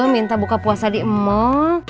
minta buka puasa di mall